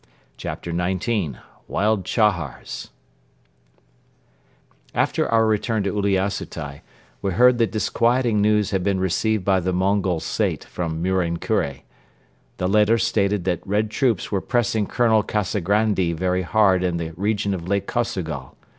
CHAPTER XIX WILD CHAHARS After our return to Uliassutai we heard that disquieting news had been received by the Mongol Sait from Muren Kure. The letter stated that Red Troops were pressing Colonel Kazagrandi very hard in the region of Lake Kosogol.